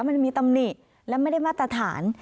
มันมีตำหนิและไม่ได้มาตรฐาน